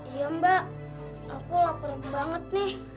iya mbak aku lapar banget nih